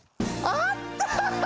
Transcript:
あった！